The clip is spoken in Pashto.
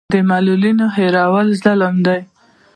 د معلولینو هېرول ظلم دی.